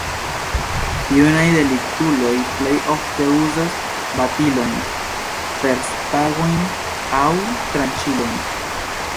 Junaj deliktuloj plej ofte uzas batilojn, ferstangojn aŭ tranĉilojn.